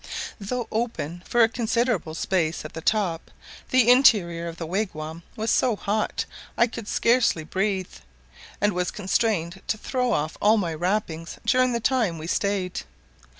Though open for a considerable space at the top, the interior of the wigwam was so hot, I could scarcely breathe, and was constrained to throw off all my wrappings during the time we staid.